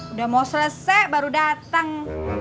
udah mau selesai baru datang